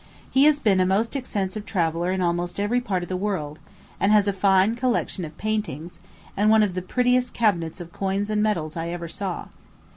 He has been a most extensive traveller in almost every part of the world, and has a fine collection of paintings, and one of the prettiest cabinets of coins and medals I ever saw.